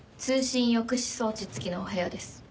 通信抑止装置付きのお部屋です。